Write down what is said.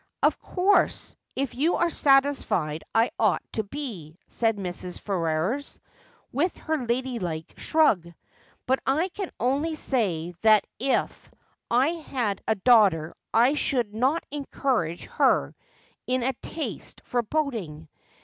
' Of course if you are satisfied I ought to be,' said Mrs. Fer rers, with her ladylike shrug ;' but I can only say that if I had a daughter I should not encourage her in a taste for boating.